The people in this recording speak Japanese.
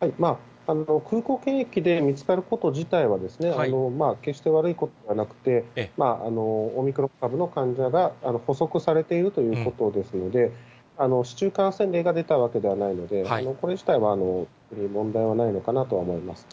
空港検疫で見つかること自体は、決して悪いことではなくて、オミクロン株の患者が補足されているということですので、市中感染例が出たわけではないので、これ自体は非常に問題はないのかなというふうに思います。